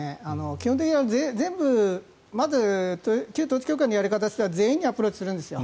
基本的には全部まず旧統一教会のやり方というのは全員にアプローチするんです。